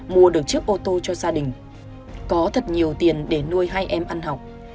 mua được chiếc ô tô cho gia đình có thật nhiều tiền để nuôi hai em ăn học